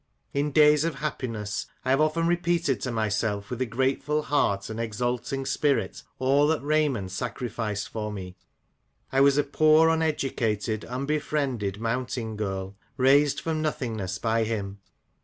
In days of happiness I have often repeated to myself, with a grateful heart and exult ing spirit, all that Raymond sacrificed for me. I was a poor, uneducated, unbefriended, mountain girl, raised from nothingness by him.